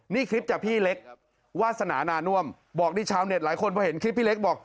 นี่คลิปจากพี่เล็กวาสนานาน่วมบอกที่ชาวเน็ตหลายคนพอเห็นคลิปพี่เล็กบอก